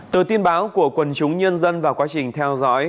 từ tin báo của quần chúng nhân dân vào quá trình theo dõi